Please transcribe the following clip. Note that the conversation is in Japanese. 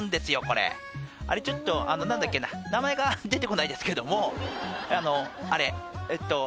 これあれちょっと何だっけな名前が出てこないですけどもあれえっと